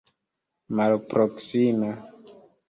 malproksime